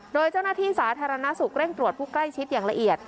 โดยเจ้าหน้าที่สาธารณสุขเร่งตรวจผู้ใกล้ชิดอย่างละเอียด